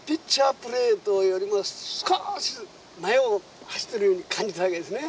プレートよりも少し前を走ってるように感じたわけですね。